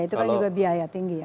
itu kan juga biaya tinggi ya